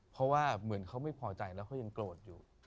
เพราะว่าเหมือนเขาไม่พอใจแล้วเขายังโกรธอยู่